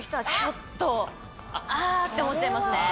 あって思っちゃいますね。